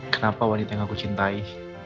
kenapa wanita yang aku cintai